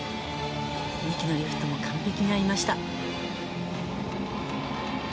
リフトも完璧に合いました。